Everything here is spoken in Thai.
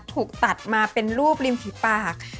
ถูกตัดมาเป็นรูปริมฝีปาก